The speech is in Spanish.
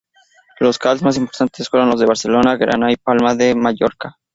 Los calls más importantes fueron los de Barcelona, Gerona y Palma de Mallorca.